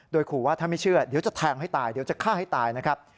โดยขู่ว่าถ้าไม่เชื่อเดี๋ยวจะแทงให้ตายเดี๋ยวจะฆ่าให้ตายนะครับ